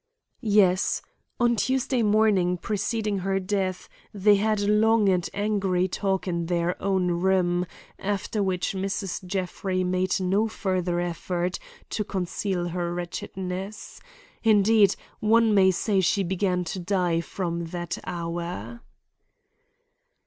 "Yes. On Tuesday morning preceding her death they had a long and angry talk in their own room, after which Mrs. Jeffrey made no further effort to conceal her wretchedness. Indeed, one may say she began to die from that hour."